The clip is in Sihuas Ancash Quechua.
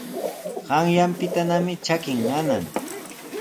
Qanyaanpitanami trakin nana.